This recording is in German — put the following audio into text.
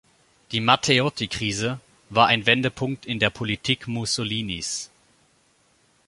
Die „Matteotti-Krise“ war ein Wendepunkt in der Politik Mussolinis.